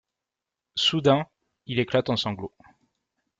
Soudain, il éclate en sanglots.